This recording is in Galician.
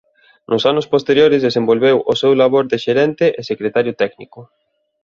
Nos anos posteriores desenvolveu o seu labor de xerente e secretario técnico.